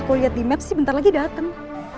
aku liat di map sih bentar lagi dateng